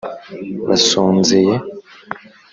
basonzeye